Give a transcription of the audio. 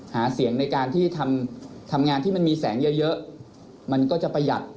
หาเสียงในการที่ทำงานที่มันมีแสงเยอะมันก็จะประหยัด